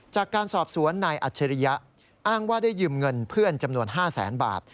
จากการสอบสวนนายอัจฉริยะอ้างว่าได้ยืมเงินเพื่อนจำนวน๕แสนบาท